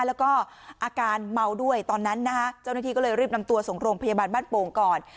แล้วก็อาการเมาด้วยตอนนั้นนะฮะเจ้าหน้าที่ก็เลยรีบนำตัวส่งโรงพยาบาลบ้านโป่งก่อน